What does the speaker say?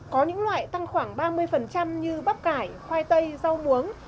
có những loại tăng khoảng ba mươi như bắp cải khoai tây rau muống